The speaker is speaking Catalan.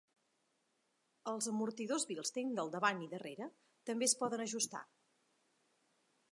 Els amortidors Bilstein del davant i darrere també es poden ajustar.